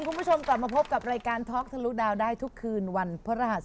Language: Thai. คุณผู้ชมกลับมาพบกับรายการท็อกทะลุดาวได้ทุกคืนวันพระรหัส